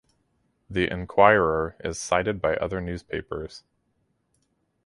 The "Inquirer" is cited by other newspapers.